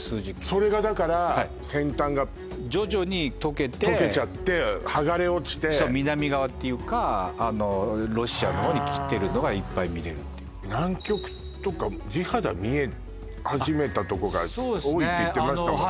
それがだから先端が徐々にとけてとけちゃって剥がれ落ちて南側っていうかロシアのほうに来てるのがいっぱい見れるっていう南極とか地肌見え始めたとこが多いっていってましたもんね